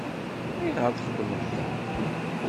Ayɣer i txeddmeḍ da?